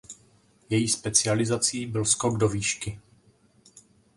Její specializací byl skok do výšky.